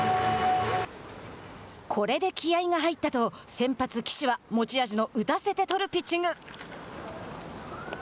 これで気合いが入ったと先発岸は持ち味の打たせてとるピッチング。